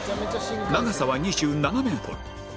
長さは２７メートル